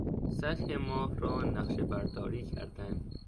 سطح ماه را نقشهبرداری کردن